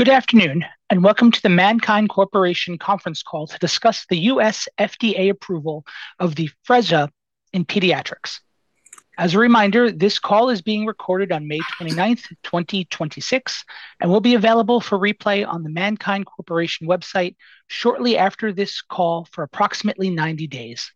Good afternoon, and welcome to the MannKind Corporation Conference Call to discuss the U.S. FDA approval of the Afrezza in pediatrics. As a reminder, this call is being recorded on May 29th, 2026, and will be available for replay on the MannKind Corporation website shortly after this call for approximately 90 days.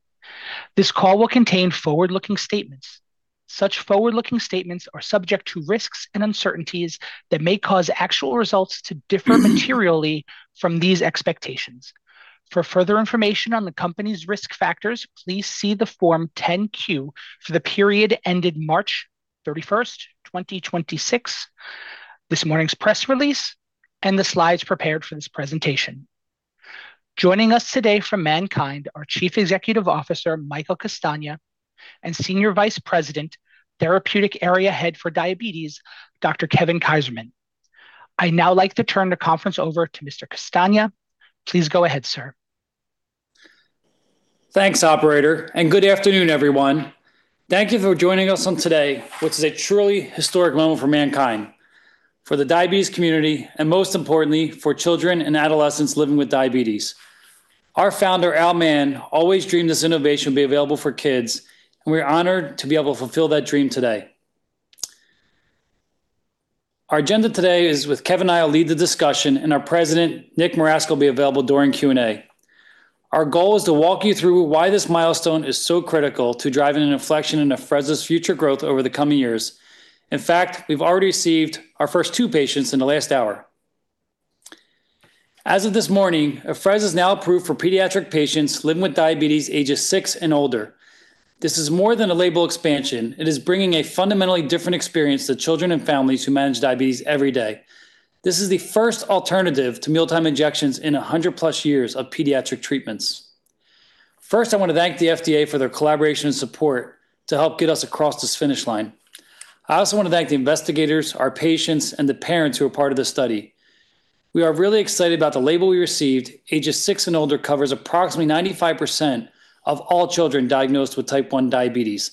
This call will contain forward-looking statements. Such forward-looking statements are subject to risks and uncertainties that may cause actual results to differ materially from these expectations. For further information on the company's risk factors, please see the Form 10-Q for the period ended March 31st, 2026, this morning's press release, and the slides prepared for this presentation. Joining us today from MannKind are Chief Executive Officer, Michael Castagna, and Senior Vice President, Therapeutic Area Head for Diabetes, Dr. Kevin Kaiserman. I'd now like to turn the conference over to Mr. Castagna. Please go ahead, sir. Thanks, operator, and good afternoon, everyone. Thank you for joining us on today, which is a truly historic moment for MannKind, for the diabetes community, and most importantly, for children and adolescents living with diabetes. Our Founder, Al Mann, always dreamed this innovation would be available for kids, and we're honored to be able to fulfill that dream today. Our agenda today is with Kevin and I will lead the discussion, and our President, Nick Marasco, will be available during Q&A. Our goal is to walk you through why this milestone is so critical to driving an inflection in Afrezza's future growth over the coming years. In fact, we've already received our first two patients in the last hour. As of this morning, Afrezza's now approved for pediatric patients living with diabetes ages six and older. This is more than a label expansion. It is bringing a fundamentally different experience to children and families who manage diabetes every day. This is the first alternative to mealtime injections in 100+ years of pediatric treatments. First, I want to thank the FDA for their collaboration and support to help get us across this finish line. I also want to thank the investigators, our patients, and the parents who are part of this study. We are really excited about the label we received. Ages six and older covers approximately 95% of all children diagnosed with type 1 diabetes.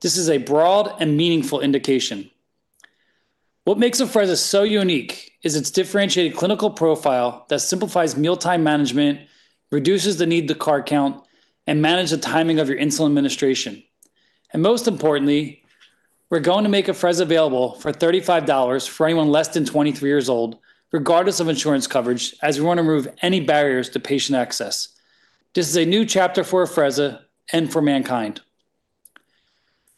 This is a broad and meaningful indication. What makes Afrezza so unique is its differentiated clinical profile that simplifies mealtime management, reduces the need to carb count, and manage the timing of your insulin administration. Most importantly, we're going to make Afrezza available for $35 for anyone less than 23 years old, regardless of insurance coverage, as we want to remove any barriers to patient access. This is a new chapter for Afrezza and for MannKind.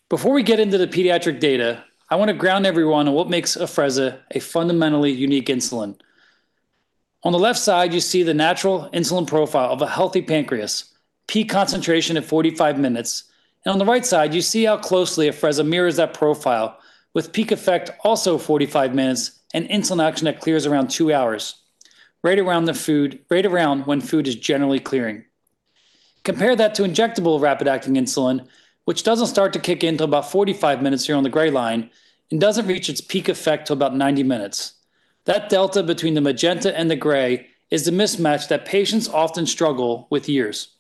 Before we get into the pediatric data, I want to ground everyone on what makes Afrezza a fundamentally unique insulin. On the left side, you see the natural insulin profile of a healthy pancreas, peak concentration at 45 minutes. On the right side, you see how closely Afrezza mirrors that profile, with peak effect also 45 minutes and insulin action that clears around two hours, right around when food is generally clearing. Compare that to injectable rapid-acting insulin, which doesn't start to kick in till about 45 minutes here on the gray line, and doesn't reach its peak effect till about 90 minutes. That delta between the magenta and the gray is the mismatch that patients often struggle with years.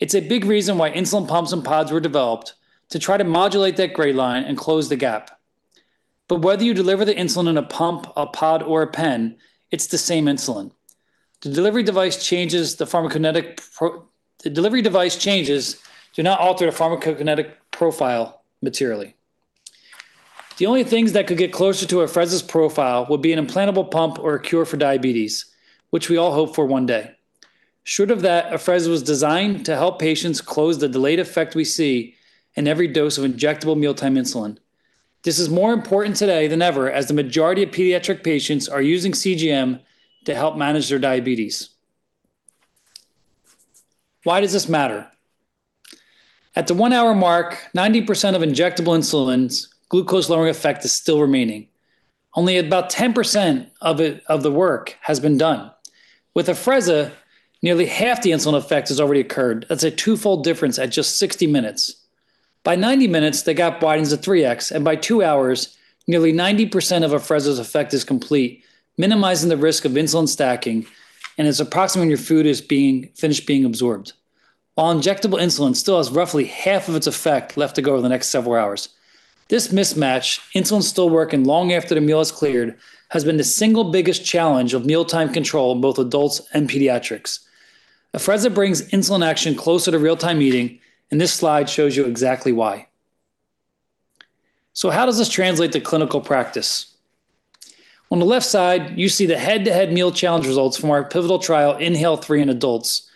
It's a big reason why insulin pumps and pods were developed to try to modulate that gray line and close the gap. Whether you deliver the insulin in a pump, a pod, or a pen, it's the same insulin. The delivery device changes do not alter the pharmacokinetic profile materially. The only things that could get closer to Afrezza's profile would be an implantable pump or a cure for diabetes, which we all hope for one day. Short of that, Afrezza was designed to help patients close the delayed effect we see in every dose of injectable mealtime insulin. This is more important today than ever, as the majority of pediatric patients are using CGM to help manage their diabetes. Why does this matter? At the one-hour mark, 90% of injectable insulin's glucose-lowering effect is still remaining. Only about 10% of the work has been done. With Afrezza, nearly half the insulin effect has already occurred. That's a twofold difference at just 60 minutes. By 90 minutes, the gap widens to 3x, and by two hours, nearly 90% of Afrezza's effect is complete, minimizing the risk of insulin stacking, and is approximately when your food is finished being absorbed. While injectable insulin still has roughly half of its effect left to go over the next several hours. This mismatch, insulin still working long after the meal is cleared, has been the single biggest challenge of mealtime control in both adults and pediatrics. Afrezza brings insulin action closer to real-time eating, and this slide shows you exactly why. How does this translate to clinical practice? On the left side, you see the head-to-head meal challenge results from our pivotal trial, INHALE-3, in adults.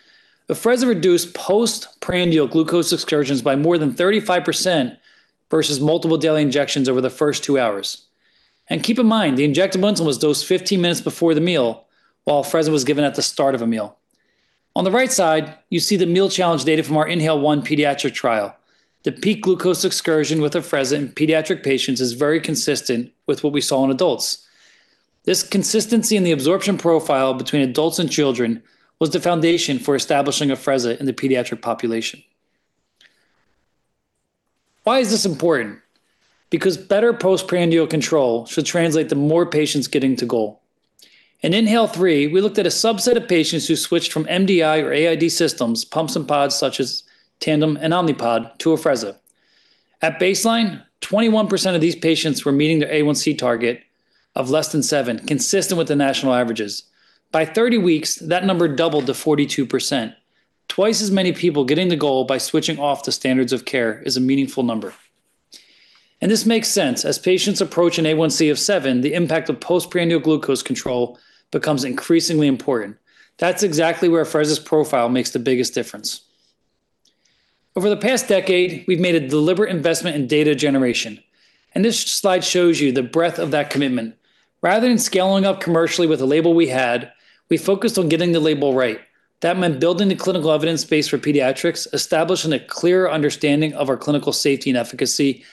Afrezza reduced postprandial glucose excursions by more than 35% versus multiple daily injections over the first two hours. Keep in mind, the injectable insulin was dosed 15 minutes before the meal, while Afrezza was given at the start of a meal. On the right side, you see the meal challenge data from our INHALE-1 pediatric trial. The peak glucose excursion with Afrezza in pediatric patients is very consistent with what we saw in adults. This consistency in the absorption profile between adults and children was the foundation for establishing Afrezza in the pediatric population. Why is this important? Because better postprandial control should translate to more patients getting to goal. In INHALE-3, we looked at a subset of patients who switched from MDI or AID systems, pumps, and pods such as Tandem and Omnipod, to Afrezza. At baseline, 21% of these patients were meeting their A1C target of less than seven, consistent with the national averages. By 30 weeks, that number doubled to 42%. Twice as many people getting the goal by switching off to standards of care is a meaningful number. This makes sense. As patients approach an A1C of seven, the impact of postprandial glucose control becomes increasingly important. That's exactly where Afrezza's profile makes the biggest difference. Over the past decade, we've made a deliberate investment in data generation. This slide shows you the breadth of that commitment. Rather than scaling up commercially with the label we had, we focused on getting the label right. That meant building the clinical evidence base for pediatrics, establishing a clear understanding of our clinical safety and efficacy,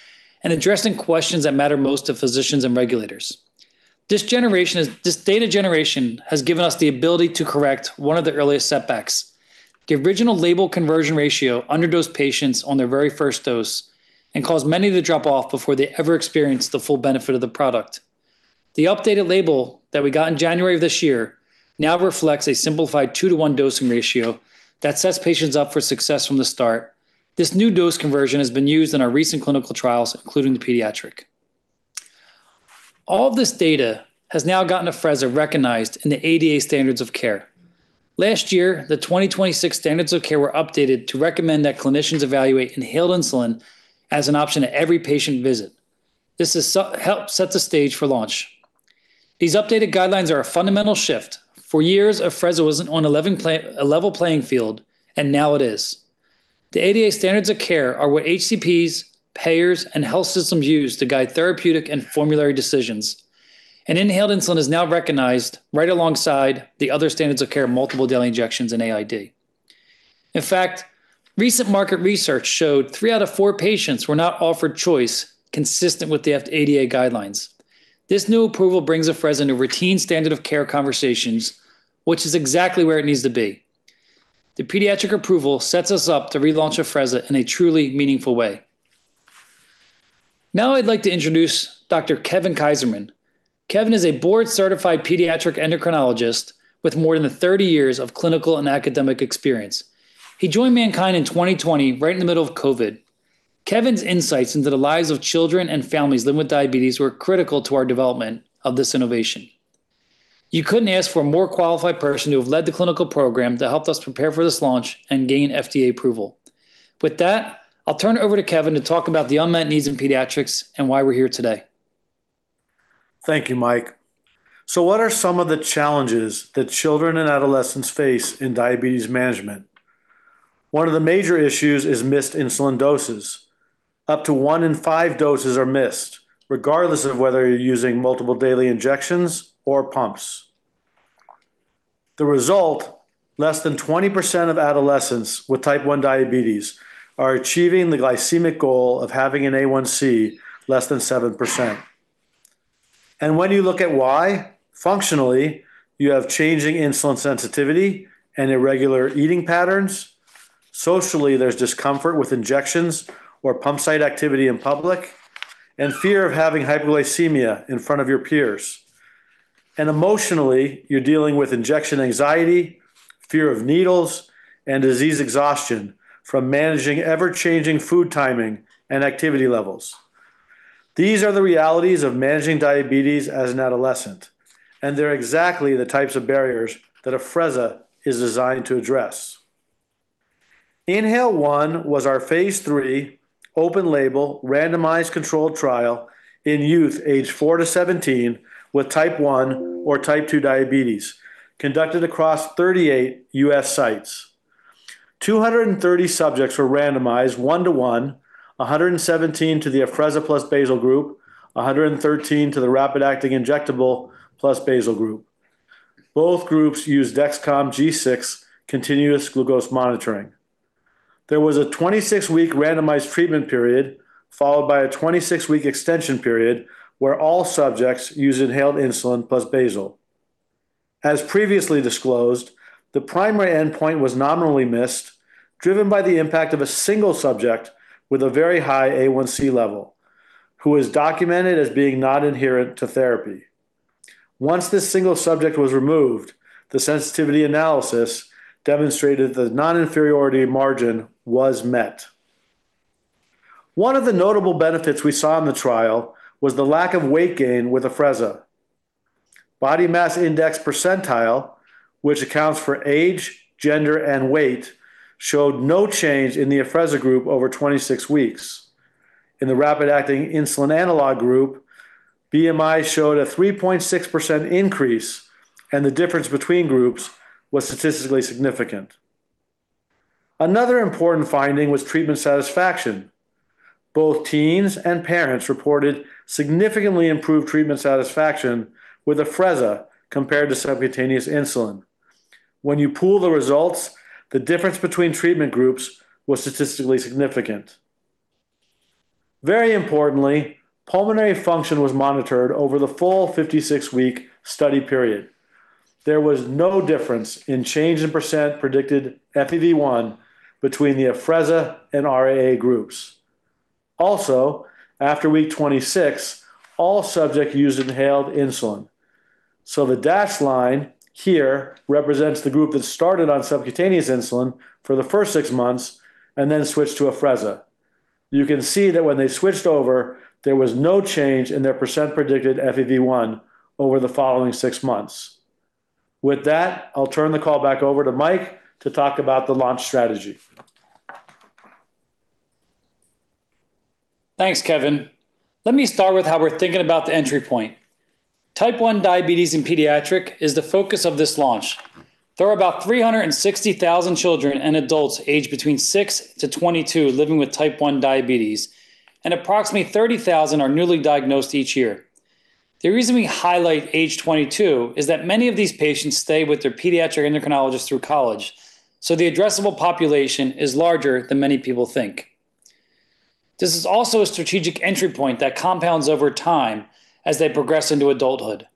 and addressing questions that matter most to physicians and regulators. The original label conversion ratio underdosed patients on their very first dose and caused many to drop off before they ever experienced the full benefit of the product. The updated label that we got in January of this year now reflects a simplified 2:1 dosing ratio that sets patients up for success from the start. This new dose conversion has been used in our recent clinical trials, including the pediatric. All this data has now gotten Afrezza recognized in the ADA standards of care. Last year, the 2026 standards of care were updated to recommend that clinicians evaluate inhaled insulin as an option at every patient visit. This has helped set the stage for launch. These updated guidelines are a fundamental shift. For years, Afrezza wasn't on a level playing field, and now it is. The ADA standards of care are what HCPs, payers, and health systems use to guide therapeutic and formulary decisions. Inhaled insulin is now recognized right alongside the other standards of care, multiple daily injections, and AID. In fact, recent market research showed 3/4 patients were not offered choice consistent with the ADA guidelines. This new approval brings Afrezza into routine standard of care conversations, which is exactly where it needs to be. The pediatric approval sets us up to relaunch Afrezza in a truly meaningful way. Now I'd like to introduce Dr. Kevin Kaiserman. Kevin is a board-certified pediatric endocrinologist with more than 30 years of clinical and academic experience. He joined MannKind in 2020, right in the middle of COVID. Kevin's insights into the lives of children and families living with diabetes were critical to our development of this innovation. You couldn't ask for a more qualified person to have led the clinical program that helped us prepare for this launch and gain FDA approval. With that, I'll turn it over to Kevin to talk about the unmet needs in pediatrics and why we're here today. Thank you, Mike. What are some of the challenges that children and adolescents face in diabetes management? One of the major issues is missed insulin doses. Up to one in five doses are missed, regardless of whether you're using multiple daily injections or pumps. The result, less than 20% of adolescents with type 1 diabetes are achieving the glycemic goal of having an A1C less than 7%. When you look at why, functionally, you have changing insulin sensitivity and irregular eating patterns. Socially, there's discomfort with injections or pump site activity in public and fear of having hypoglycemia in front of your peers. Emotionally, you're dealing with injection anxiety, fear of needles, and disease exhaustion from managing ever-changing food timing and activity levels. These are the realities of managing diabetes as an adolescent, and they're exactly the types of barriers that Afrezza is designed to address. INHALE-1 was our phase III open-label randomized controlled trial in youth aged 4-17 with type 1 or type 2 diabetes, conducted across 38 U.S. sites. 230 subjects were randomized 1:1, 117 to the Afrezza plus basal group, 113 to the rapid-acting injectable plus basal group. Both groups used Dexcom G6 continuous glucose monitoring. There was a 26-week randomized treatment period, followed by a 26-week extension period where all subjects used inhaled insulin plus basal. As previously disclosed, the primary endpoint was nominally missed, driven by the impact of a single subject with a very high A1C level, who was documented as being non-adherent to therapy. Once this single subject was removed, the sensitivity analysis demonstrated the non-inferiority margin was met. One of the notable benefits we saw in the trial was the lack of weight gain with Afrezza. Body mass index percentile, which accounts for age, gender, and weight, showed no change in the Afrezza group over 26 weeks. In the rapid-acting insulin analog group, BMI showed a 3.6% increase, and the difference between groups was statistically significant. Another important finding was treatment satisfaction. Both teens and parents reported significantly improved treatment satisfaction with Afrezza compared to subcutaneous insulin. When you pool the results, the difference between treatment groups was statistically significant. Very importantly, pulmonary function was monitored over the full 56-week study period. There was no difference in change in percent predicted FEV1 between the Afrezza and RAA groups. Also, after week 26, all subjects used inhaled insulin. The dashed line here represents the group that started on subcutaneous insulin for the first six months and then switched to Afrezza. You can see that when they switched over, there was no change in their percent predicted FEV1 over the following six months. With that, I'll turn the call back over to Mike to talk about the launch strategy. Thanks, Kevin. Let me start with how we're thinking about the entry point. Type 1 diabetes in pediatric is the focus of this launch. There are about 360,000 children and adults aged between 6-22 living with type 1 diabetes, and approximately 30,000 are newly diagnosed each year. The reason we highlight age 22 is that many of these patients stay with their pediatric endocrinologist through college, the addressable population is larger than many people think. This is also a strategic entry point that compounds over time as they progress into adulthood.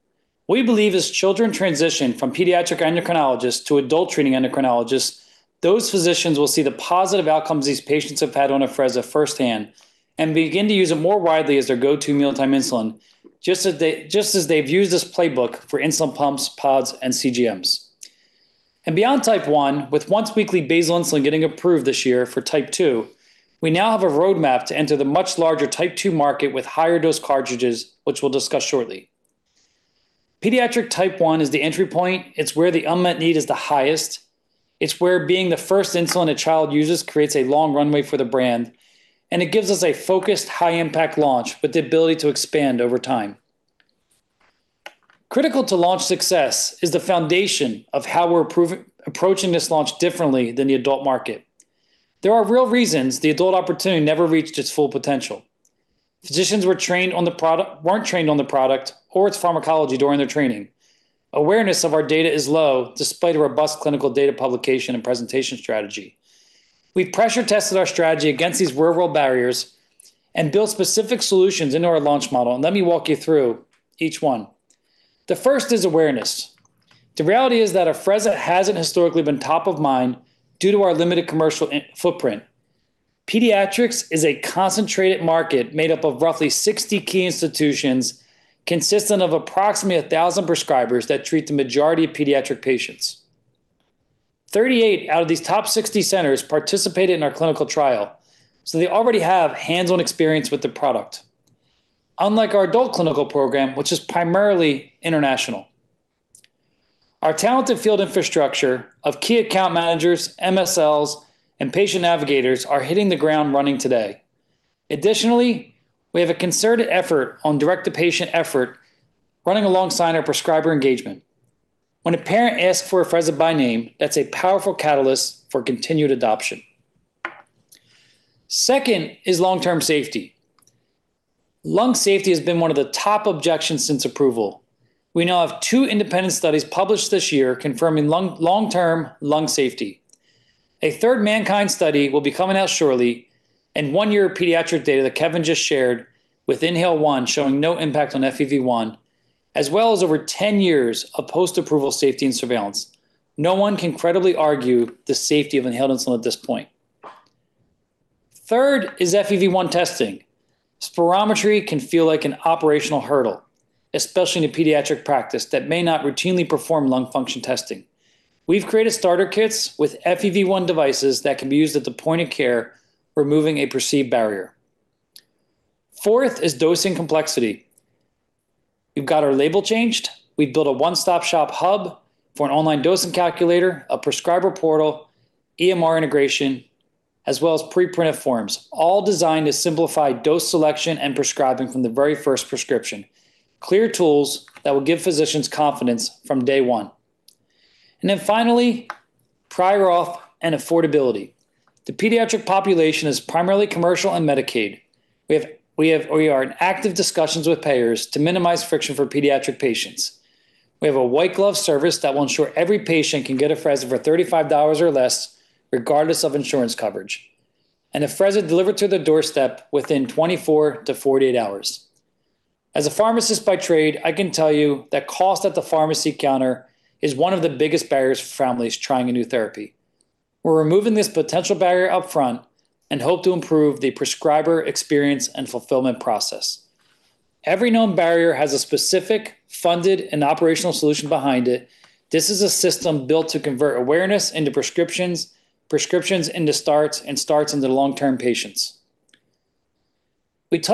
We believe as children transition from pediatric endocrinologists to adult treating endocrinologists, those physicians will see the positive outcomes these patients have had on Afrezza firsthand and begin to use it more widely as their go-to mealtime insulin, just as they've used this playbook for insulin pumps, pods, and CGMs. Beyond type 1, with once-weekly basal insulin getting approved this year for type 2, we now have a roadmap to enter the much larger type 2 market with higher dose cartridges, which we will discuss shortly. Pediatric type 1 is the entry point. It is where the unmet need is the highest. It is where being the first insulin a child uses creates a long runway for the brand, and it gives us a focused, high impact launch with the ability to expand over time. Critical to launch success is the foundation of how we are approaching this launch differently than the adult market. There are real reasons the adult opportunity never reached its full potential. Physicians weren't trained on the product or its pharmacology during their training. Awareness of our data is low despite a robust clinical data publication and presentation strategy. We've pressure tested our strategy against these real-world barriers and built specific solutions into our launch model. Let me walk you through each one. The first is awareness. The reality is that Afrezza hasn't historically been top of mind due to our limited commercial footprint. Pediatrics is a concentrated market made up of roughly 60 key institutions, consisting of approximately 1,000 prescribers that treat the majority of pediatric patients. 38 out of these top 60 centers participated in our clinical trial. They already have hands-on experience with the product, unlike our adult clinical program, which is primarily international. Our talented field infrastructure of key account managers, MSLs, and patient navigators are hitting the ground running today. Additionally, we have a concerted effort on direct-to-patient effort running alongside our prescriber engagement. When a parent asks for Afrezza by name, that's a powerful catalyst for continued adoption. Second is long-term safety. Lung safety has been one of the top objections since approval. We now have two independent studies published this year confirming long-term lung safety. A third MannKind study will be coming out shortly, and one-year pediatric data that Kevin just shared with INHALE-1 showing no impact on FEV1, as well as over 10 years of post-approval safety and surveillance. No one can credibly argue the safety of inhaled insulin at this point. Third is FEV1 testing. Spirometry can feel like an operational hurdle, especially in a pediatric practice that may not routinely perform lung function testing. We've created starter kits with FEV1 devices that can be used at the point of care, removing a perceived barrier. Fourth is dosing complexity. We've got our label changed. We've built a one-stop shop hub for an online dosing calculator, a prescriber portal, EMR integration, as well as pre-printed forms, all designed to simplify dose selection and prescribing from the very first prescription. Clear tools that will give physicians confidence from day one. Finally, prior auth and affordability. The pediatric population is primarily commercial and Medicaid. We are in active discussions with payers to minimize friction for pediatric patients. We have a white glove service that will ensure every patient can get Afrezza for $35 or less, regardless of insurance coverage, and have Afrezza delivered to their doorstep within 24-48 hours. As a pharmacist by trade, I can tell you that cost at the pharmacy counter is one of the biggest barriers for families trying a new therapy. We're removing this potential barrier upfront and hope to improve the prescriber experience and fulfillment process. Every known barrier has a specific funded and operational solution behind it. This is a system built to convert awareness into prescriptions into starts, and starts into long-term patients. I want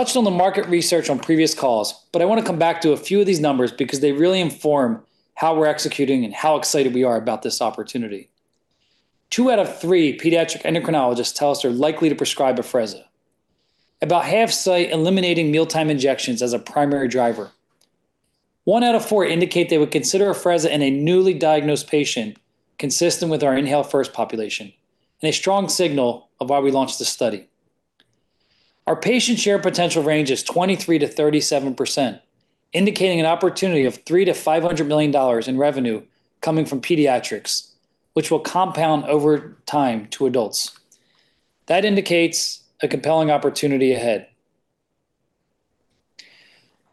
to come back to a few of these numbers because they really inform how we're executing and how excited we are about this opportunity. Two out of three pediatric endocrinologists tell us they're likely to prescribe Afrezza. About half cite eliminating mealtime injections as a primary driver. One out of four indicate they would consider Afrezza in a newly diagnosed patient, consistent with our INHALE-1st population, a strong signal of why we launched this study. Our patient share potential range is 23%-37%, indicating an opportunity of $300 million-$500 million in revenue coming from pediatrics, which will compound over time to adults. That indicates a compelling opportunity ahead.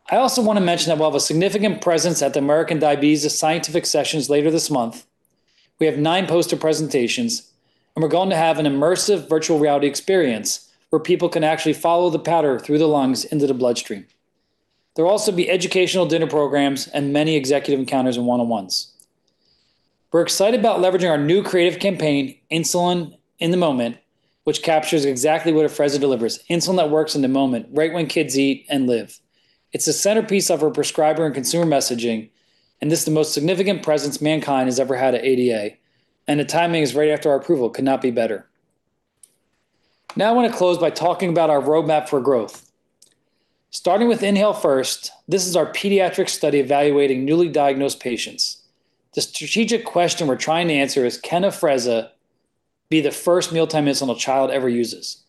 I also want to mention that we'll have a significant presence at the American Diabetes Association Scientific Sessions later this month. We have nine poster presentations, and we're going to have an immersive virtual reality experience where people can actually follow the powder through the lungs into the bloodstream. There will also be educational dinner programs and many executive encounters and one-on-ones. We're excited about leveraging our new creative campaign, Insulin in the Moment, which captures exactly what Afrezza delivers, insulin that works in the moment, right when kids eat and live. It's the centerpiece of our prescriber and consumer messaging, and this is the most significant presence MannKind has ever had at ADA, and the timing is right after our approval. Could not be better. I want to close by talking about our roadmap for growth. Starting with INHALE-1ST, this is our pediatric study evaluating newly diagnosed patients. The strategic question we're trying to answer is, can Afrezza be the first mealtime insulin a child ever uses?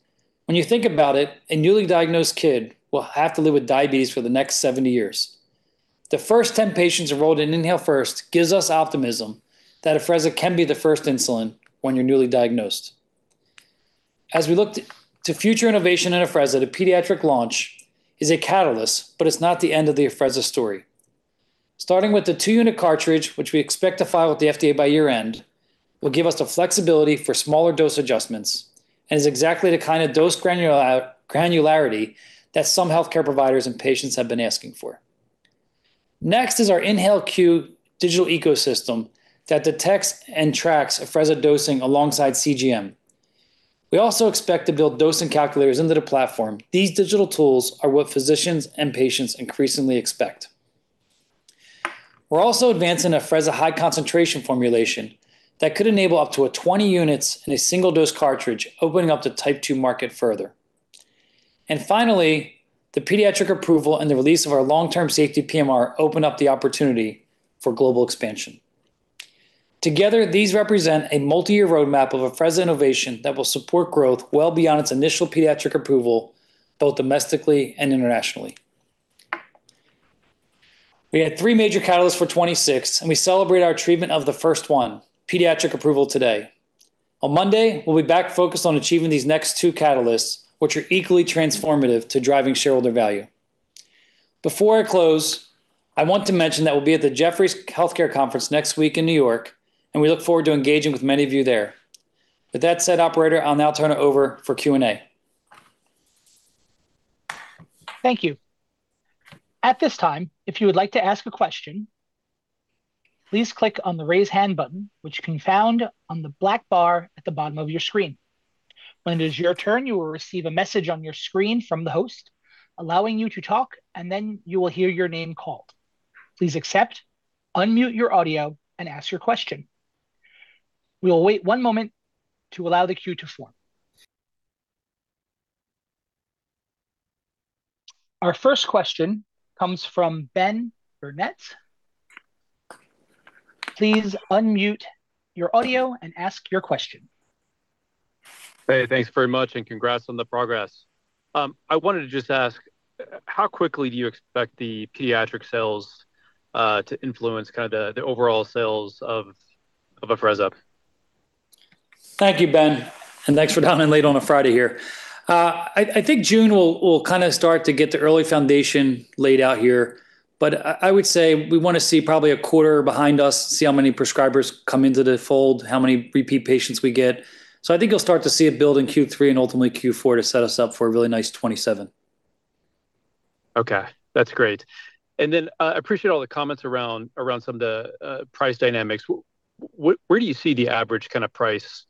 When you think about it, a newly diagnosed kid will have to live with diabetes for the next 70 years. The first 10 patients enrolled in INHALE-1ST gives us optimism that Afrezza can be the first insulin when you're newly diagnosed. As we look to future innovation in Afrezza, the pediatric launch is a catalyst, it's not the end of the Afrezza story. Starting with the 2-unit cartridge, which we expect to file with the FDA by year-end, will give us the flexibility for smaller dose adjustments and is exactly the kind of dose granularity that some healthcare providers and patients have been asking for. Next is our INHALE-Q digital ecosystem that detects and tracks Afrezza dosing alongside CGM. We also expect to build dosing calculators into the platform. These digital tools are what physicians and patients increasingly expect. We're also advancing Afrezza high concentration formulation that could enable up to a 20 units in a single-dose cartridge, opening up the type 2 market further. Finally, the pediatric approval and the release of our long-term safety PMR open up the opportunity for global expansion. Together, these represent a multiyear roadmap of Afrezza innovation that will support growth well beyond its initial pediatric approval, both domestically and internationally. We had three major catalysts for 2026, we celebrate our treatment of the first one, pediatric approval today. On Monday, we'll be back focused on achieving these next two catalysts, which are equally transformative to driving shareholder value. Before I close, I want to mention that we'll be at the Jefferies Healthcare Conference next week in New York, and we look forward to engaging with many of you there. With that said, operator, I'll now turn it over for Q&A. Thank you. At this time, if you would like to ask a question, please click on the Raise Hand button, which you can find on the black bar at the bottom of your screen. When it is your turn, you will receive a message on your screen from the host allowing you to talk, and then you will hear your name called. Please accept, unmute your audio, and ask your question. We will wait one moment to allow the queue to form. Our first question comes from Ben Burnett. Please unmute your audio and ask your question. Hey, thanks very much, and congrats on the progress. I wanted to just ask, how quickly do you expect the pediatric sales to influence the overall sales of Afrezza? Thank you, Ben, thanks for dialing in late on a Friday here. I think June, we'll start to get the early foundation laid out here. I would say we want to see probably a quarter behind us, see how many prescribers come into the fold, how many repeat patients we get. I think you'll start to see it build in Q3 and ultimately Q4 to set us up for a really nice 2027. Okay, that's great. I appreciate all the comments around some of the price dynamics. Where do you see the average price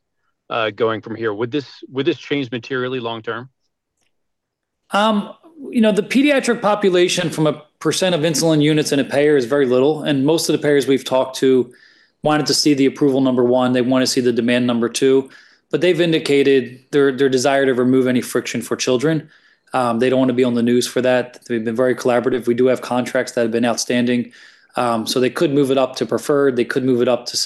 going from here? Would this change materially long term? The pediatric population from a percent of insulin units in a payer is very little, and most of the payers we've talked to wanted to see the approval, number one, they want to see the demand, number two, but they've indicated their desire to remove any friction for children. They don't want to be on the news for that. They've been very collaborative. We do have contracts that have been outstanding. They could move it up to preferred, they could move it up to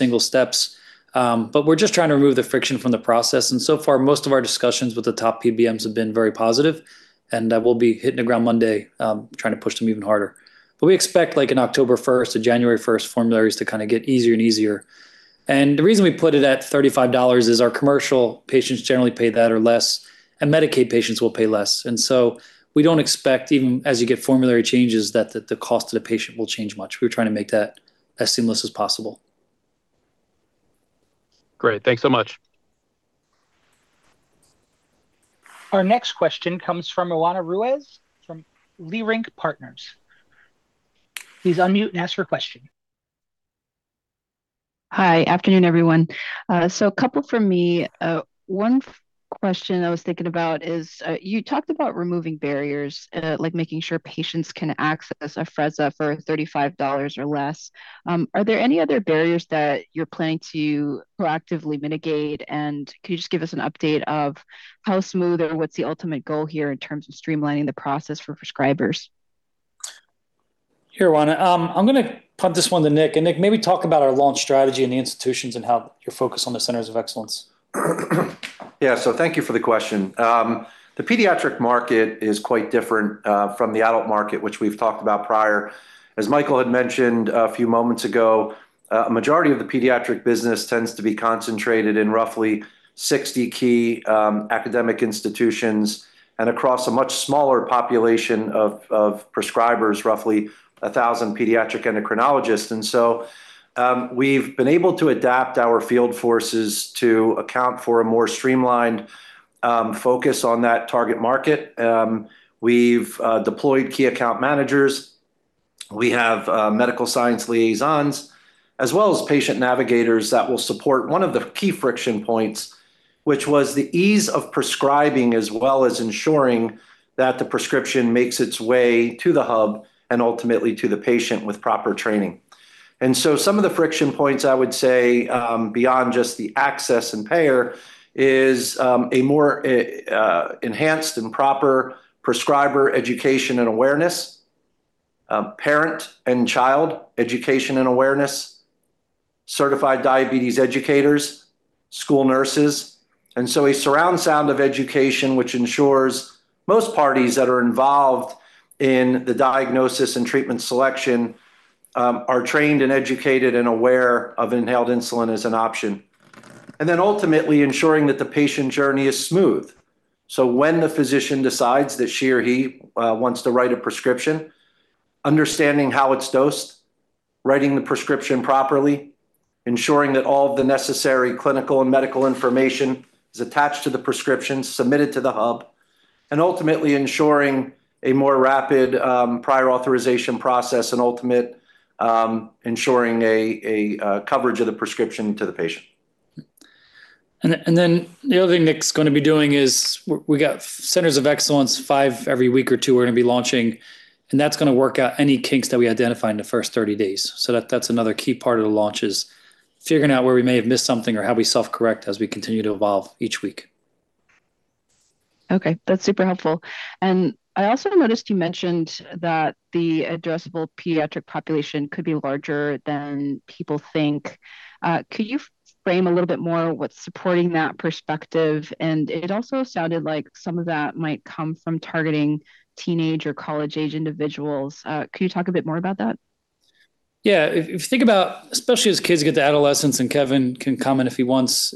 single steps. We're just trying to remove the friction from the process, and so far, most of our discussions with the top PBMs have been very positive, and we'll be hitting the ground Monday, trying to push them even harder. We expect, like an October 1st, a January 1st formularies to get easier and easier. The reason we put it at $35 is our commercial patients generally pay that or less, and Medicaid patients will pay less. We don't expect, even as you get formulary changes, that the cost to the patient will change much. We're trying to make that as seamless as possible. Great. Thanks so much. Our next question comes from Roanna Ruiz from Leerink Partners. Please unmute and ask your question. Hi. Afternoon, everyone. A couple from me. One question I was thinking about is, you talked about removing barriers, like making sure patients can access Afrezza for $35 or less. Are there any other barriers that you're planning to proactively mitigate? Could you just give us an update of how smooth or what's the ultimate goal here in terms of streamlining the process for prescribers? Sure, Roanna. I'm going to punt this one to Nick. Nick, maybe talk about our launch strategy and the institutions and how you're focused on the centers of excellence. Thank you for the question. The pediatric market is quite different from the adult market, which we've talked about prior. As Michael had mentioned a few moments ago, a majority of the pediatric business tends to be concentrated in roughly 60 key academic institutions and across a much smaller population of prescribers, roughly 1,000 pediatric endocrinologists. We've been able to adapt our field forces to account for a more streamlined focus on that target market. We've deployed key account managers, we have Medical Science Liaisons, as well as patient navigators that will support one of the key friction points, which was the ease of prescribing, as well as ensuring that the prescription makes its way to the hub and ultimately to the patient with proper training. Some of the friction points, I would say, beyond just the access and payer, is a more enhanced and proper prescriber education and awareness, parent and child education and awareness, certified diabetes educators, school nurses, and so a surround sound of education which ensures most parties that are involved in the diagnosis and treatment selection are trained and educated and aware of inhaled insulin as an option. Ultimately ensuring that the patient journey is smooth. When the physician decides that she or he wants to write a prescription, understanding how it's dosed, writing the prescription properly, ensuring that all of the necessary clinical and medical information is attached to the prescription, submitted to the hub, and ultimately ensuring a more rapid prior authorization process and coverage of the prescription to the patient. The other thing Nick's going to be doing is we've got centers of excellence, five every week or two we're going to be launching, and that's going to work out any kinks that we identify in the first 30 days. That's another key part of the launch is figuring out where we may have missed something or how do we self-correct as we continue to evolve each week. Okay. That's super helpful. I also noticed you mentioned that the addressable pediatric population could be larger than people think. Could you frame a little bit more what's supporting that perspective? It also sounded like some of that might come from targeting teenage or college-age individuals. Could you talk a bit more about that? Yeah. If you think about, especially as kids get to adolescence, and Kevin can comment if he wants,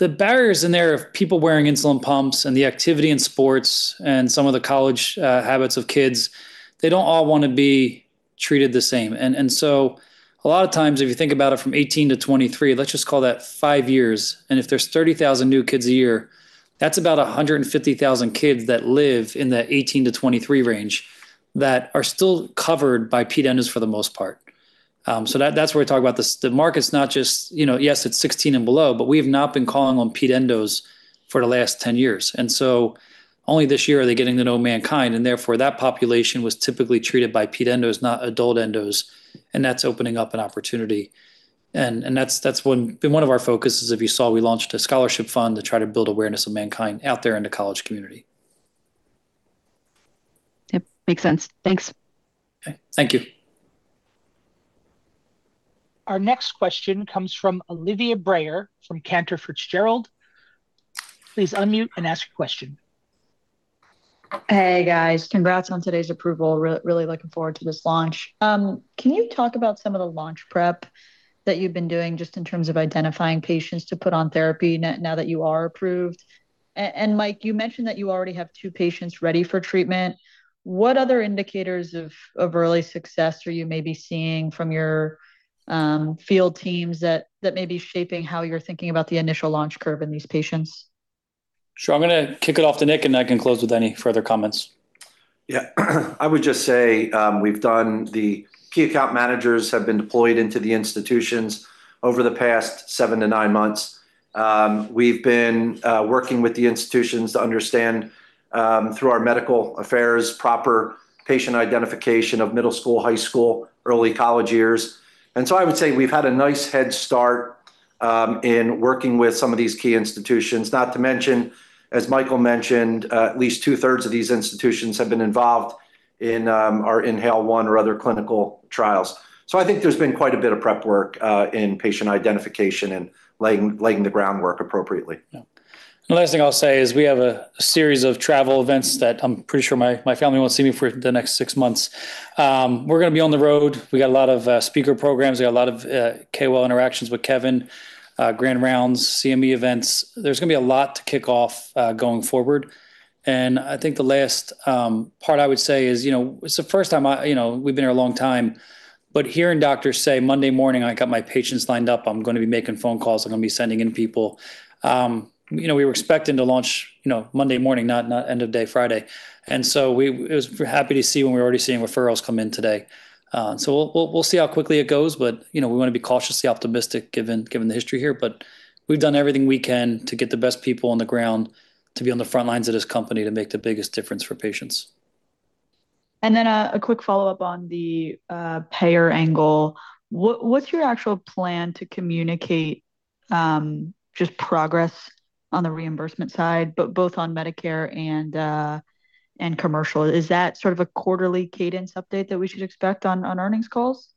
the barriers in there of people wearing insulin pumps and the activity in sports and some of the college habits of kids, they don't all want to be treated the same. A lot of times, if you think about it from 18-23, let's just call that five years, if there's 30,000 new kids a year, that's about 150,000 kids that live in the 18-23 range that are still covered by ped endos for the most part. That's where we talk about the market's not just, yes, it's 16 and below, but we have not been calling on ped endos for the last 10 years. Only this year are they getting to know MannKind, and therefore that population was typically treated by ped endos, not adult endos, and that's opening up an opportunity. One of our focuses, if you saw, we launched a scholarship fund to try to build awareness of MannKind out there in the college community. Yep. Makes sense. Thanks. Okay. Thank you. Our next question comes from Olivia Brayer from Cantor Fitzgerald. Please unmute and ask your question. Hey, guys. Congrats on today's approval. Really looking forward to this launch. Can you talk about some of the launch prep that you've been doing just in terms of identifying patients to put on therapy now that you are approved? Mike, you mentioned that you already have two patients ready for treatment. What other indicators of early success are you maybe seeing from your field teams that may be shaping how you're thinking about the initial launch curve in these patients? Sure. I'm going to kick it off to Nick, and I can close with any further comments. Yeah. I would just say we've done the key account managers have been deployed into the institutions over the past seven to nine months. We've been working with the institutions to understand, through our medical affairs, proper patient identification of middle school, high school, early college years. I would say we've had a nice head start in working with some of these key institutions. Not to mention, as Michael mentioned, at least 2/3 of these institutions have been involved in our INHALE-1 or other clinical trials. I think there's been quite a bit of prep work in patient identification and laying the groundwork appropriately. The last thing I'll say is we have a series of travel events that I'm pretty sure my family won't see me for the next six months. We're going to be on the road. We got a lot of speaker programs. We got a lot of KOL interactions with Kevin, grand rounds, CME events. There's going to be a lot to kick off going forward, and I think the last part I would say is, we've been here a long time, but hearing doctors say, "Monday morning, I got my patients lined up. I'm going to be making phone calls. I'm going to be sending in people." We were expecting to launch Monday morning, not end of day Friday. We're happy to see when we're already seeing referrals come in today. We'll see how quickly it goes, but we want to be cautiously optimistic given the history here, but we've done everything we can to get the best people on the ground to be on the front lines of this company to make the biggest difference for patients. A quick follow-up on the payer angle. What's your actual plan to communicate just progress on the reimbursement side, but both on Medicare and commercial? Is that sort of a quarterly cadence update that we should expect on earnings calls?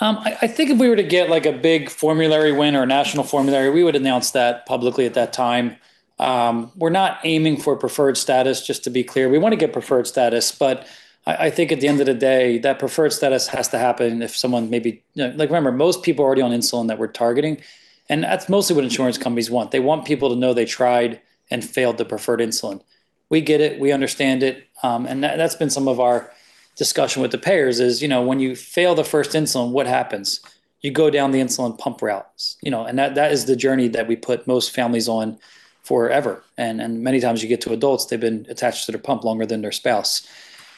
I think if we were to get a big formulary win or a national formulary, we would announce that publicly at that time. We're not aiming for preferred status, just to be clear. We want to get preferred status. I think at the end of the day, that preferred status has to happen if someone. Remember, most people are already on insulin that we're targeting, and that's mostly what insurance companies want. They want people to know they tried and failed the preferred insulin. We get it. We understand it. That's been some of our discussion with the payers is, when you fail the first insulin, what happens? You go down the insulin pump route. That is the journey that we put most families on forever, and many times you get to adults, they've been attached to their pump longer than their spouse.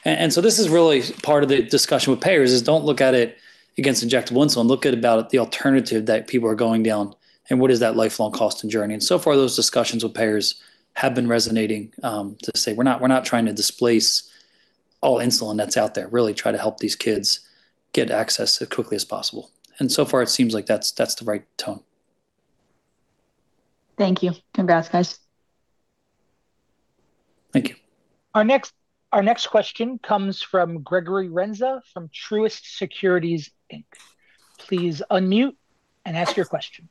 This is really part of the discussion with payers is don't look at it against injectable insulin, look at about the alternative that people are going down and what is that lifelong cost and journey. So far, those discussions with payers have been resonating, to say, we're not trying to displace all insulin that's out there. Really try to help these kids get access as quickly as possible. So far, it seems like that's the right tone. Thank you. Congrats, guys. Thank you. Our next question comes from Gregory Renza of Truist Securities, Inc. Please unmute and ask your question.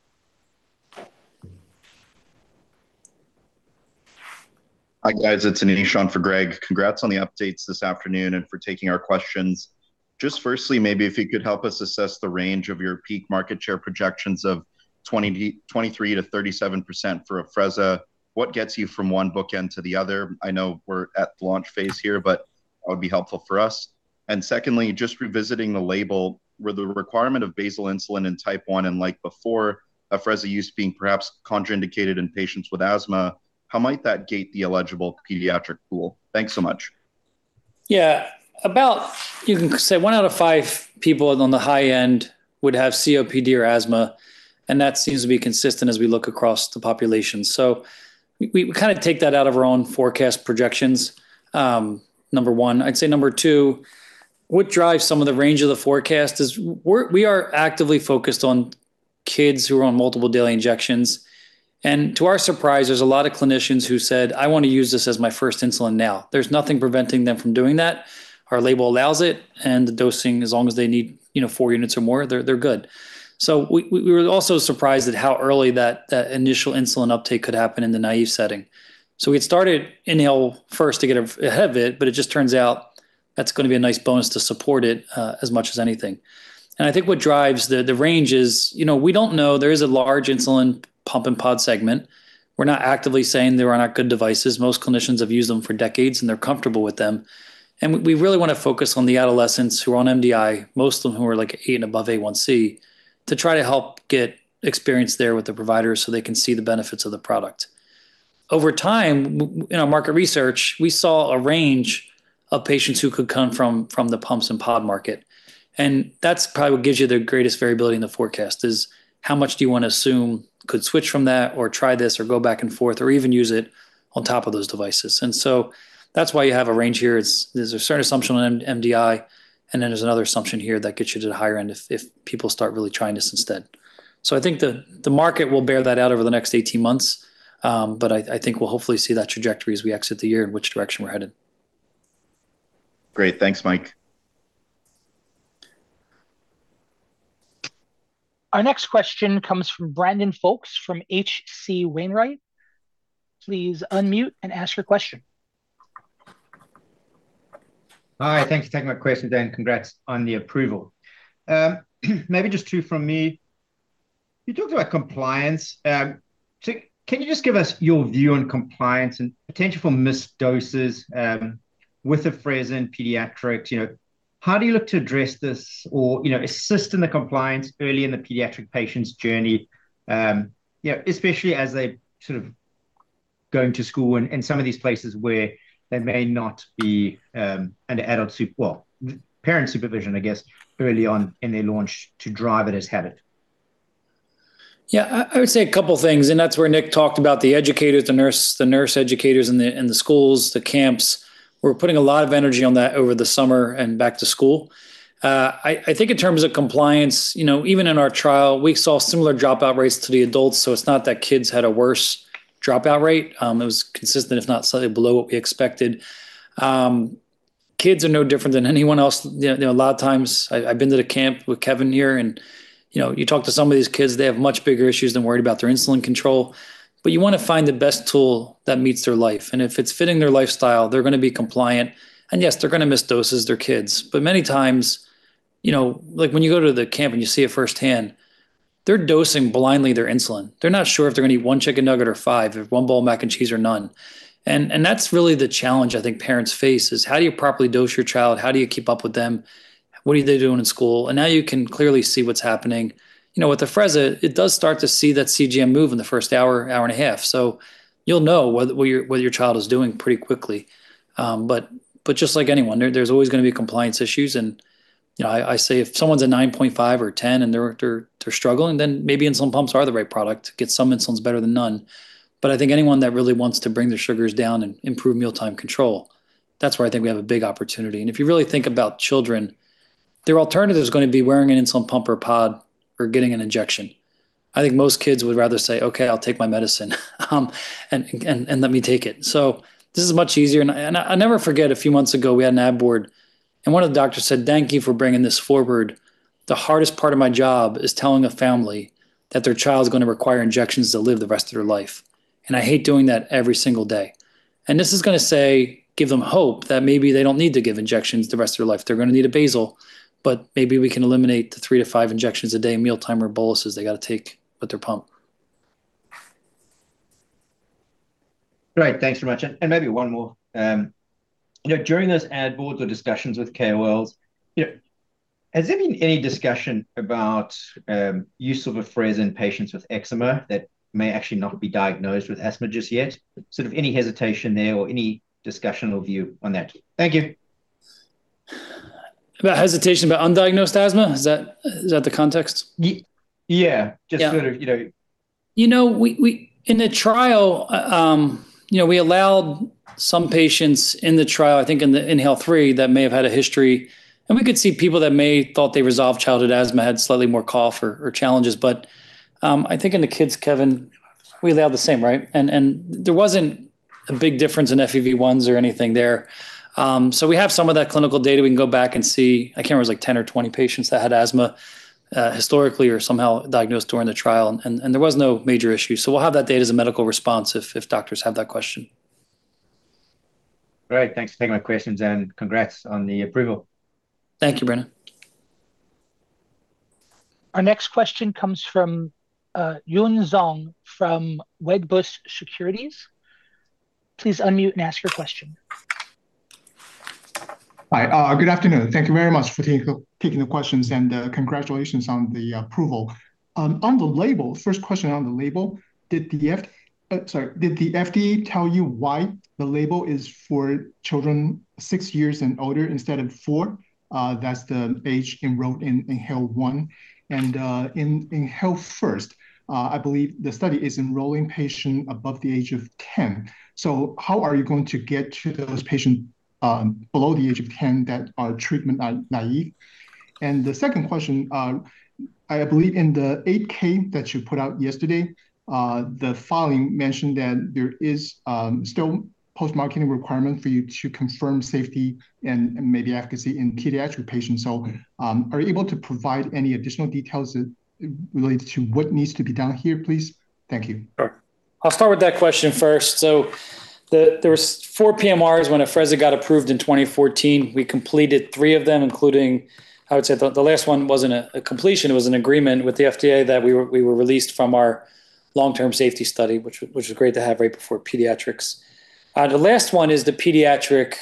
Hi, guys. It's Ani Shan for Greg. Congrats on the updates this afternoon and for taking our questions. Just firstly, maybe if you could help us assess the range of your peak market share projections of 23%-37% for Afrezza. What gets you from one bookend to the other? I know we're at the launch phase here, but that would be helpful for us. Secondly, just revisiting the label. With the requirement of basal insulin in type 1 and like before, Afrezza use being perhaps contraindicated in patients with asthma, how might that gate the eligible pediatric pool? Thanks so much. Yeah. About, you can say one out of five people on the high end would have COPD or asthma, that seems to be consistent as we look across the population. We kind of take that out of our own forecast projections, number one. I'd say number two, what drives some of the range of the forecast is we are actively focused on kids who are on multiple daily injections. To our surprise, there's a lot of clinicians who said, "I want to use this as my first insulin now." There's nothing preventing them from doing that. Our label allows it, and the dosing, as long as they need 4 units or more, they're good. We were also surprised at how early that initial insulin uptake could happen in the naive setting. We'd started INHALE-1ST to get ahead of it, but it just turns out that's going to be a nice bonus to support it, as much as anything. I think what drives the range is, we don't know, there is a large insulin pump and pod segment. We're not actively saying they are not good devices. Most clinicians have used them for decades, and they're comfortable with them. We really want to focus on the adolescents who are on MDI, most of them who are eight and above A1C, to try to help get experience there with the providers so they can see the benefits of the product. Over time, in our market research, we saw a range of patients who could come from the pumps and pod market, that's probably what gives you the greatest variability in the forecast, is how much do you want to assume could switch from that or try this or go back and forth or even use it on top of those devices. That's why you have a range here. There's a certain assumption on MDI, then there's another assumption here that gets you to the higher end if people start really trying this instead. I think the market will bear that out over the next 18 months. I think we'll hopefully see that trajectory as we exit the year and which direction we're headed. Great. Thanks, Mike. Our next question comes from Brandon Fowlkes from H.C. Wainwright. Please unmute and ask your question. Hi. Thanks for taking my question, Mike. Congrats on the approval. Maybe just two from me. You talked about compliance. Can you just give us your view on compliance and potential for missed doses with Afrezza in pediatrics? How do you look to address this or assist in the compliance early in the pediatric patient's journey, especially as they sort of go into school and some of these places where there may not be parent supervision, I guess, early on in their launch to drive it as habit? Yeah. I would say a couple things. That's where Nick talked about the educators, the nurse educators in the schools, the camps. We're putting a lot of energy on that over the summer and back to school. I think in terms of compliance, even in our trial, we saw similar dropout rates to the adults. It's not that kids had a worse dropout rate. It was consistent, if not slightly below what we expected. Kids are no different than anyone else. A lot of times, I've been to the camp with Kevin here. You talk to some of these kids, they have much bigger issues than worrying about their insulin control. You want to find the best tool that meets their life. If it's fitting their lifestyle, they're going to be compliant. Yes, they're going to miss doses, they're kids. Many times, when you go to the camp and you see it firsthand, they're dosing blindly their insulin. They're not sure if they're going to eat one chicken nugget or five, or one bowl of mac and cheese or none. That's really the challenge I think parents face is how do you properly dose your child? How do you keep up with them? What are they doing in school? Now you can clearly see what's happening. With Afrezza, it does start to see that CGM move in the first hour and a half. You'll know what your child is doing pretty quickly. Just like anyone, there's always going to be compliance issues, and I say if someone's a 9.5 or 10 and they're struggling, then maybe insulin pumps are the right product. Get some insulin's better than none. I think anyone that really wants to bring their sugars down and improve mealtime control, that's where I think we have a big opportunity. If you really think about children, their alternative is going to be wearing an insulin pump or pod or getting an injection. I think most kids would rather say, "Okay, I'll take my medicine, and let me take it." This is much easier. I'll never forget a few months ago, we had an ad board, and one of the doctors said, "Thank you for bringing this forward. The hardest part of my job is telling a family that their child's going to require injections to live the rest of their life. I hate doing that every single day." This is going to, say, give them hope that maybe they don't need to give injections the rest of their life. They're going to need a basal, but maybe we can eliminate the three to five injections a day, mealtime or boluses they got to take with their pump. Great. Thanks very much. Maybe one more. During those ad boards or discussions with KOLs? Has there been any discussion about use of Afrezza in patients with eczema that may actually not be diagnosed with asthma just yet? Sort of any hesitation there or any discussion or view on that? Thank you. About hesitation about undiagnosed asthma? Is that the context? Yeah. Yeah. In the trial, we allowed some patients in the trial, I think in the INHALE-3 that may have had a history, and we could see people that may thought they resolved childhood asthma, had slightly more cough or challenges. I think in the kids, Kevin, we allowed the same, right? There wasn't a big difference in FEV1s or anything there. We have some of that clinical data we can go back and see. I can't remember, it was like 10 or 20 patients that had asthma, historically or somehow diagnosed during the trial, and there was no major issue. We'll have that data as a medical response if doctors have that question. Great. Thanks for taking my questions, and congrats on the approval. Thank you, Brandon. Our next question comes from Yun Zhong from Wedbush Securities. Please unmute and ask your question. Hi. Good afternoon. Thank you very much for taking the questions, and congratulations on the approval. First question on the label, did the FDA tell you why the label is for children six years and older instead of four? That's the age enrolled in INHALE-1 and in INHALE-1ST. I believe the study is enrolling patients above the age of 10. How are you going to get to those patients below the age of 10 that are treatment naive? The second question, I believe in the 8-K that you put out yesterday, the filing mentioned that there is still postmarketing requirement for you to confirm safety and maybe efficacy in pediatric patients. Are you able to provide any additional details related to what needs to be done here, please? Thank you. Sure. I'll start with that question first. There was four PMRs when Afrezza got approved in 2014. We completed three of them, including, I would say the last one wasn't a completion, it was an agreement with the FDA that we were released from our long-term safety study, which was great to have right before pediatrics. The last one is the pediatric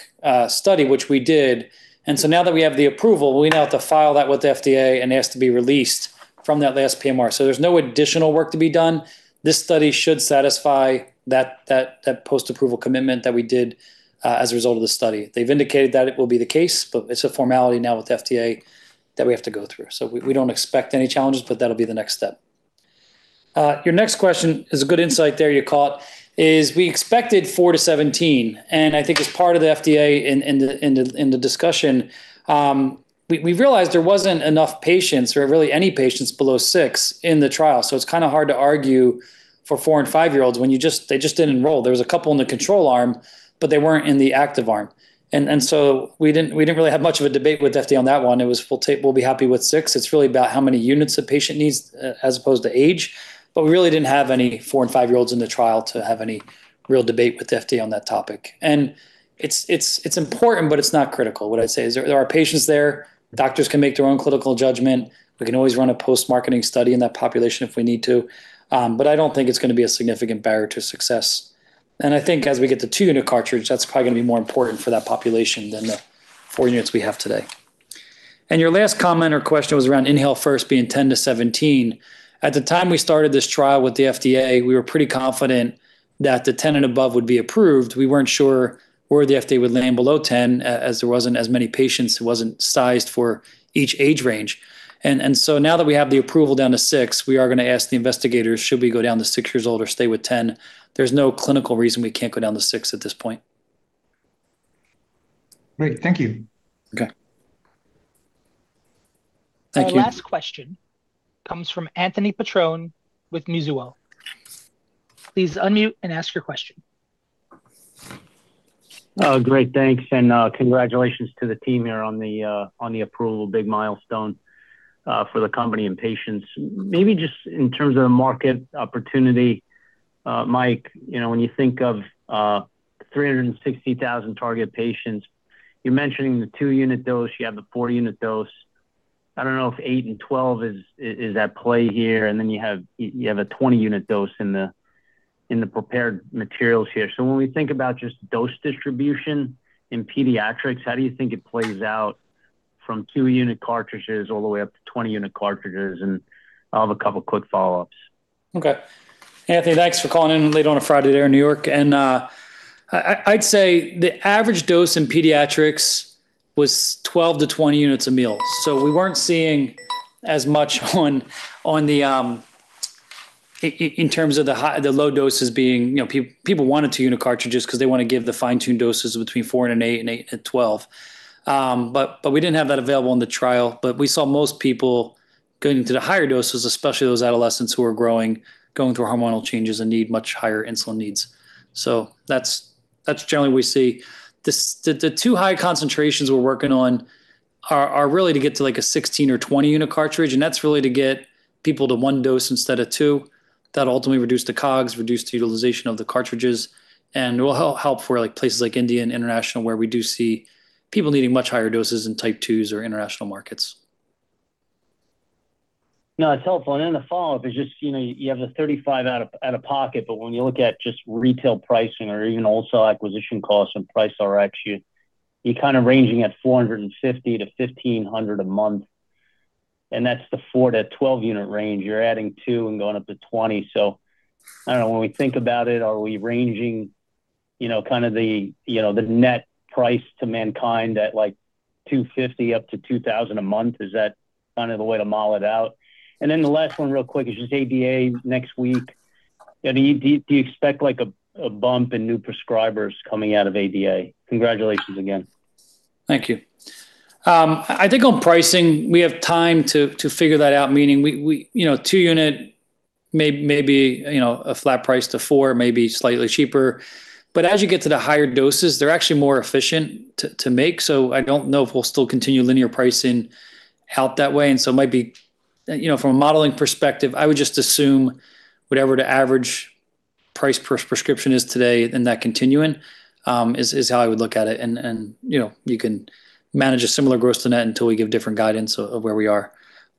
study, which we did. Now that we have the approval, we now have to file that with the FDA, and it has to be released from that last PMR. There's no additional work to be done. This study should satisfy that post-approval commitment that we did as a result of the study. They've indicated that it will be the case, but it's a formality now with FDA that we have to go through. We don't expect any challenges, but that'll be the next step. Your next question is a good insight there, you caught, is we expected 4 to 17, and I think as part of the FDA in the discussion, we realized there wasn't enough patients or really any patients below six in the trial. It's kind of hard to argue for four and five-year-olds when they just didn't enroll. There was a couple in the control arm, but they weren't in the active arm. We didn't really have much of a debate with FDA on that one. It was we'll be happy with six. It's really about how many units a patient needs as opposed to age. We really didn't have any four and five-year-olds in the trial to have any real debate with the FDA on that topic. It's important, but it's not critical, what I'd say. There are patients there, doctors can make their own clinical judgment. We can always run a post-marketing study in that population if we need to. I don't think it's going to be a significant barrier to success. I think as we get the 2-unit cartridge, that's probably going to be more important for that population than the 4 units we have today. Your last comment or question was around INHALE-1ST being 10-17. At the time we started this trial with the FDA, we were pretty confident that the 10 and above would be approved. We weren't sure where the FDA would land below 10, as there wasn't as many patients. It wasn't sized for each age range. Now that we have the approval down to six, we are going to ask the investigators, should we go down to six years old or stay with 10? There's no clinical reason we can't go down to six at this point. Great. Thank you. Okay. Our last question comes from Anthony Petrone with Mizuho. Please unmute and ask your question. Oh, great. Thanks. Congratulations to the team here on the approval. Big milestone for the company and patients. Maybe just in terms of the market opportunity, Mike, when you think of 360,000 target patients, you're mentioning the 2-unit dose. You have the 4-unit dose. I don't know if 8 and 12 is at play here. You have a 20-unit dose in the prepared materials here. When we think about just dose distribution in pediatrics, how do you think it plays out from 2-unit cartridges all the way up to 20-unit cartridges? I'll have a couple of quick follow-ups. Okay. Anthony, thanks for calling in late on a Friday there in New York. I'd say the average dose in pediatrics was 12-20 units a meal. We weren't seeing as much in terms of the low doses being, people wanted 2-unit cartridges because they want to give the fine-tuned doses between 4 and an 8 and 8 and 12. We didn't have that available in the trial, but we saw most people going to the higher doses, especially those adolescents who are growing, going through hormonal changes, and need much higher insulin needs. That's generally we see. The two high concentrations we're working on are really to get to like a 16 or 20-unit cartridge, and that's really to get people to one dose instead of two. That'll ultimately reduce the COGS, reduce the utilization of the cartridges, and it will help for places like India and international, where we do see people needing much higher doses in type 2s or international markets. No, that's helpful. The follow-up is just, you have the $35 out-of-pocket, but when you look at just retail pricing or even also acquisition costs and price per Rx, you're kind of ranging at $450 to $1,500 a month, and that's the 4-12 unit range. You're adding two and going up to 20. I don't know, when we think about it, are we ranging the net price to MannKind at $250 up to $2,000 a month? Is that kind of the way to mull it out? The last one real quick is just ADA next week. Do you expect a bump in new prescribers coming out of ADA? Congratulations again. Thank you. I think on pricing, we have time to figure that out, meaning 2 unit, maybe a flat price to 4, maybe slightly cheaper. As you get to the higher doses, they're actually more efficient to make. I don't know if we'll still continue linear pricing out that way. It might be, from a modeling perspective, I would just assume whatever the average price per prescription is today, and that continuing, is how I would look at it. You can manage a similar gross to net until we give different guidance of where we are.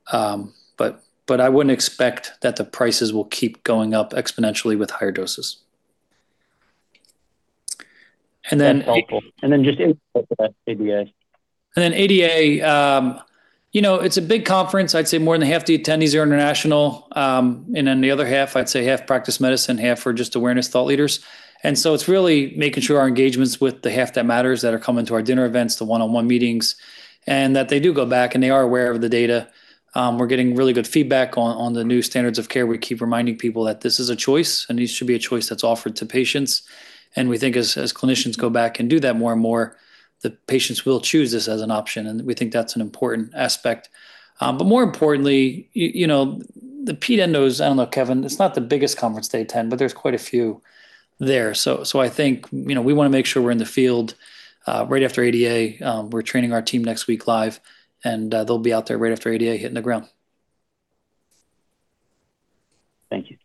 I wouldn't expect that the prices will keep going up exponentially with higher doses. That's helpful. Then just anything with that ADA? ADA, it's a big conference. I'd say more than half the attendees are international, and then the other half, I'd say half practice medicine, half are just awareness thought leaders. It's really making sure our engagements with the half that matters that are coming to our dinner events, the one-on-one meetings, and that they do go back and they are aware of the data. We're getting really good feedback on the new standards of care. We keep reminding people that this is a choice and this should be a choice that's offered to patients. We think as clinicians go back and do that more and more, the patients will choose this as an option, and we think that's an important aspect. More importantly, the KOLs know, I don't know, Kevin, it's not the biggest conference they attend, but there's quite a few there. I think, we want to make sure we're in the field right after ADA. We're training our team next week live, and they'll be out there right after ADA hitting the ground. Thank you.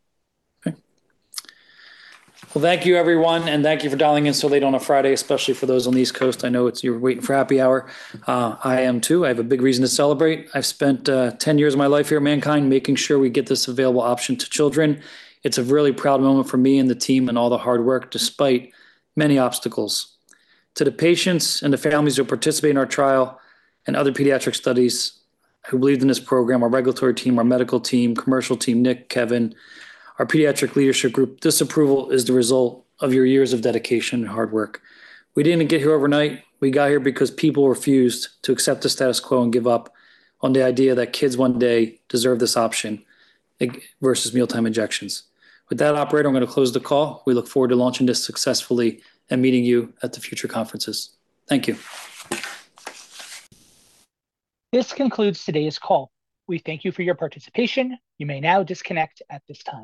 Okay. Well, thank you everyone, and thank you for dialing in so late on a Friday, especially for those on the East Coast. I know you were waiting for happy hour. I am too. I have a big reason to celebrate. I've spent 10 years of my life here at MannKind making sure we get this available option to children. It's a really proud moment for me and the team and all the hard work, despite many obstacles. To the patients and the families who participate in our trial and other pediatric studies who believed in this program, our regulatory team, our medical team, commercial team, Nick, Kevin, our pediatric leadership group, this approval is the result of your years of dedication and hard work. We didn't get here overnight. We got here because people refused to accept the status quo and give up on the idea that kids one day deserve this option versus mealtime injections. With that, operator, I'm going to close the call. We look forward to launching this successfully and meeting you at the future conferences. Thank you. This concludes today's call. We thank you for your participation. You may now disconnect at this time.